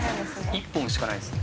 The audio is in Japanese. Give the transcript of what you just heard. １本しかないですね。